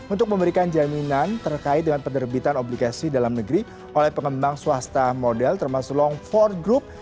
untuk memberikan jaminan terkait dengan penerbitan obligasi dalam negeri oleh pengembang swasta model termasuk long empat group